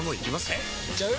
えいっちゃう？